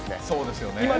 そうですよね。